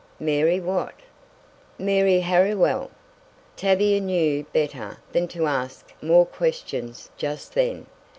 "Mary what?" "Mary Harriwell." Tavia knew better than to ask more questions just then.